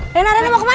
rena rena mau kemana